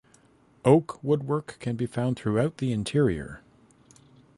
Oak woodwork can be found throughout the interior.